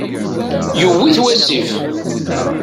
Yewwi-t wasif.